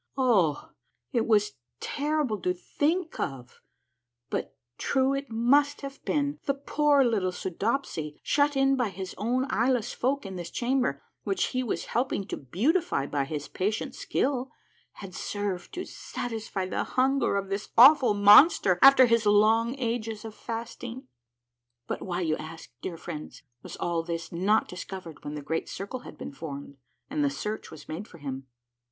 Oh, it was terrible to think of, but true it must have been — the poor little Soodopsy, shut in by his own eyeless folk in this chamber, which he was helping to beautify by his patient skill, had served to satisfy the hunger of this awful monster, after his long ages of fasting. But why, you ask, dear friends, was all this not discovered when the Great Circle had been formed, and the search was made for him